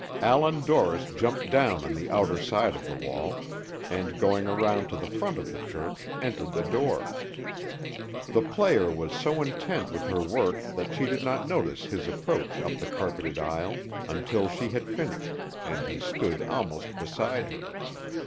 Allan Dorris jumped down on the outer side of the wall, and, going around to the front of the church, entered the door. The player was so intent with her work that she did not notice his approach up the carpeted aisle, until she had finished, and he stood almost beside her.